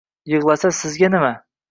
Yig‘lasa, sizga nima?